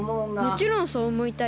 もちろんそうおもいたいよ。